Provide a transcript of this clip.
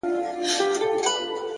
هوډ د شکمنو قدمونو ملاتړ کوي’